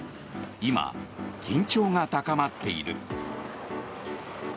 今、緊張が高まっている。